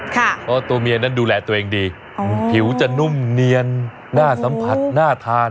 เพราะตัวเมียนั้นดูแลตัวเองดีผิวจะนุ่มเนียนน่าสัมผัสน่าทาน